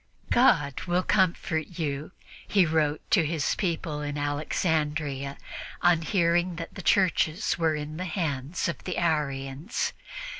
"God will comfort you," he wrote to his people in Alexandria on hearing that the churches were in the hands of the Arians.